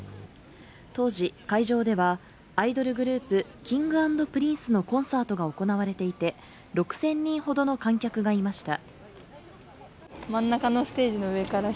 当時、会場ではアイドルグループ、Ｋｉｎｇ＆Ｐｒｉｎｃｅのコンサートが行われていて、６０００人ほどの観客がいました。